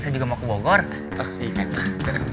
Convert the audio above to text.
saya juga mau ke bogor iya pak